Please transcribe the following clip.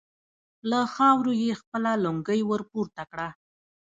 له خاورو يې خپله لونګۍ ور پورته کړه.